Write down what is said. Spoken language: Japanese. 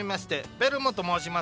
ベルモと申します。